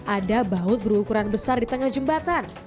ada baut berukuran besar di tengah jembatan